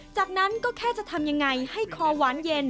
จากนั้นก็แค่จะทำยังไงให้คอหวานเย็น